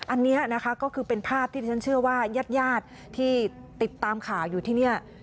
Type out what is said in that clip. อันนี้นะคะก็คือเป็นภาพที่ที่ฉันเชื่อว่ายาดที่ติดตามข่าวอยู่ที่นี่